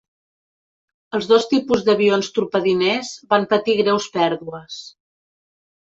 Els dos tipus d'avions torpediners van patir greus pèrdues.